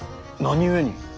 何故に。